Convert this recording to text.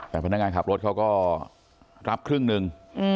แต่พนักงานขับรถเขาก็รับครึ่งหนึ่ง